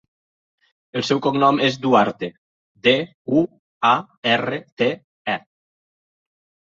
El seu cognom és Duarte: de, u, a, erra, te, e.